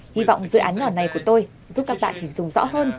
hy vọng dự án nhỏ này của tôi giúp các bạn hình dung rõ hơn